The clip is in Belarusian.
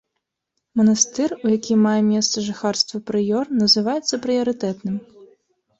Манастыр, у якім мае месца жыхарства прыёр, называецца прыярытэтным.